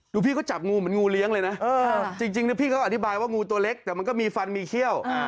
พี่ก็จับงูเหมือนงูเลี้ยงเลยนะจริงพี่เขาอธิบายว่างูตัวเล็กแต่มันก็มีฟันมีเขี้ยว